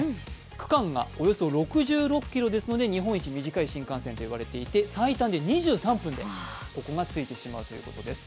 区間がおよそ６６ｋｍですので日本一短い新幹線と呼ばれていて最短で２３分で着いてしまうということです。